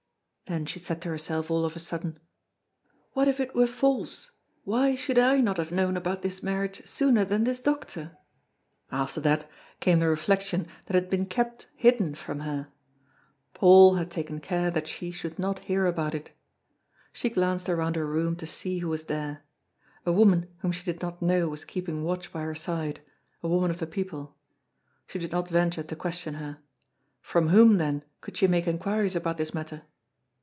Then she said to herself all of a sudden: "What if it were false? Why should I not have known about his marriage sooner than this doctor?" After that, came the reflection that it had been kept hidden from her. Paul had taken care that she should not hear about it. She glanced around her room to see who was there. A woman whom she did not know was keeping watch by her side, a woman of the people. She did not venture to question her. From whom, then, could she make inquiries about this matter?